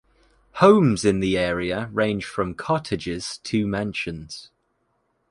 Homes in the area range from cottages to mansions.